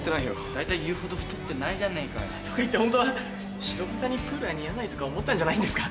大体言うほど太ってないじゃねえかよ。とか言ってホントは白豚にプールは似合わないとか思ったんじゃないんですか？